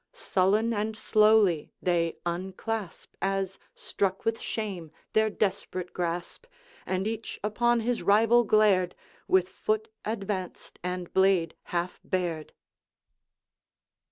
Sullen and slowly they unclasp, As struck with shame, their desperate grasp, And each upon his rival glared, With foot advanced and blade half bared.